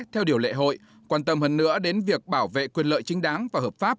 theo điều lệ hội quan tâm hơn nữa đến việc bảo vệ quyền lợi chính đáng và hợp pháp